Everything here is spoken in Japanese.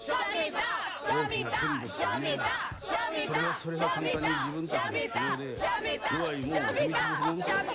大きな権力というのはそれはそれは簡単に自分たちの都合で弱いもんを踏み潰すもんですよ。